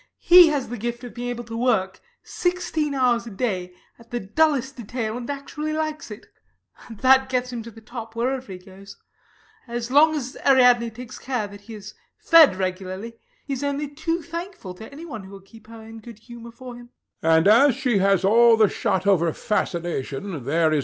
He has the gift of being able to work sixteen hours a day at the dullest detail, and actually likes it. That gets him to the top wherever he goes. As long as Ariadne takes care that he is fed regularly, he is only too thankful to anyone who will keep her in good humor for him.